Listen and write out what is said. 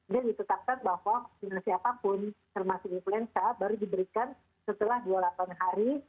jadi ditetapkan bahwa vaksinasi apapun termasuk influenza baru diberikan setelah dua puluh delapan hari